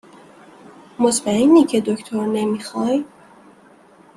مطمئنی که دکتر نمیخای؟